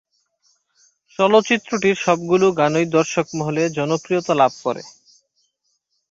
চলচ্চিত্রটির সবগুলো গানই দর্শক মহলে জনপ্রিয়তা লাভ করে।